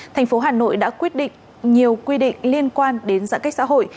thành phố hà nội đã quyết định nhiều quy định liên quan đến giãn cách xã hội